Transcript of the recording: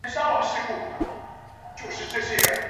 口岸之通关能力已经大大不能应付日常运作之需求。